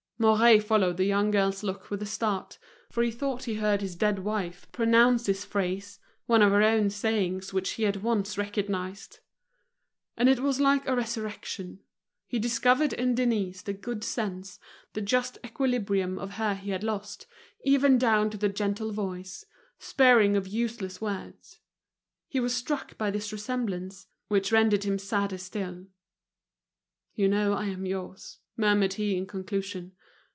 Mouret followed the young girl's look with a start, for he thought he heard his dead wife pronounce this phrase, one of her own sayings which he at once recognized. And it was like a resurrection, he discovered in Denise the good sense, the just equilibrium of her he had lost, even down to the gentle voice, sparing of useless words. He was struck by this resemblance, which rendered him sadder still. "You know I am yours," murmured he in conclusion.